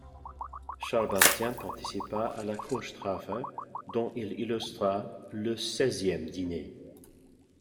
Charles Bastian participa à la Kunschthafe dont il illustra le seizième dîner.